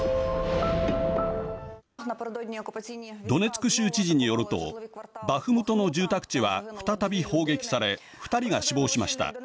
ドネツク州知事によるとバフムトの住宅地は再び砲撃され２人が死亡しました。